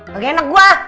pake anak gua